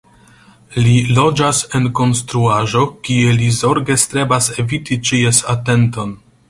Li loĝas en konstruaĵo kie li zorge strebas eviti ĉies atenton.